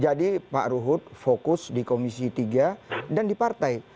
jadi pak arhut fokus di komisi tiga dan di partai